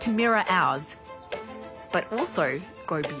はい。